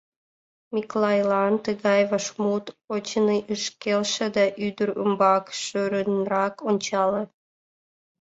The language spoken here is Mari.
Миклайлан тыгай вашмут, очыни, ыш келше да ӱдыр ӱмбак шӧрынрак ончале.